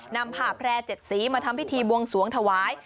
ผ่าแพร่๗สีมาทำพิธีบวงสวงถวาย